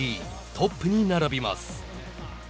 トップに並びます。